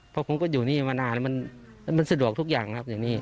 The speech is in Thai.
เพราะผมก็อยู่นี่มานานแล้วมันสะดวกทุกอย่างครับอย่างนี้